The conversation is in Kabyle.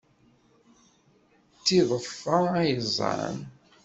D tiḍeffa ay ẓẓan.